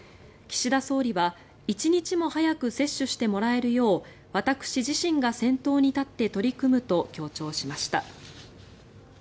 岸田総理は一日も早く接種してもらえるよう私自身が先頭に立って取り組むと強調しました。